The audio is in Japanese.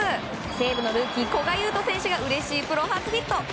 西武のルーキー古賀悠斗選手がうれしいプロ初ヒット。